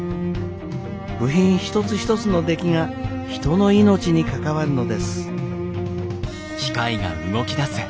部品一つ一つの出来が人の命に関わるのです。